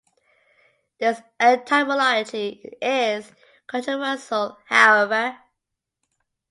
This etymology is controversial, however.